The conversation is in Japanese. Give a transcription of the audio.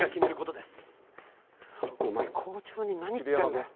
お前校長に何言ってんだよ。